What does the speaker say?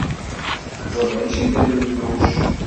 Wa mačči d alelluc!